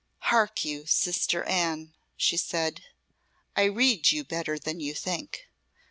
"Hark you, sister Anne," she said. "I read you better than you think.